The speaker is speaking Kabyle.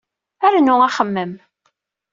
Rnu axemmem.